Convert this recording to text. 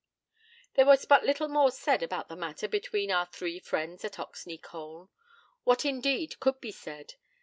There was but little more said about the matter between our three friends at Oxney Colne. What, indeed, could be said?